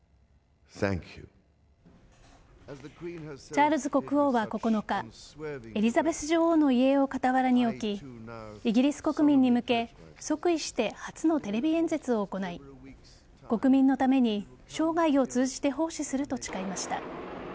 チャールズ国王は９日エリザベス女王の遺影を傍らに置きイギリス国民に向け即位して初のテレビ演説を行い国民のために、生涯を通じて奉仕すると誓いました。